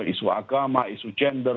isu agama isu gender